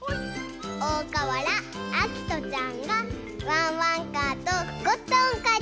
おおかわらあきとちゃんがワンワンカーとゴットンをかいてくれました。